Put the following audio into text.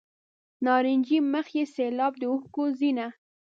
نارنجي مخ مې سیلاب د اوښکو ځینه.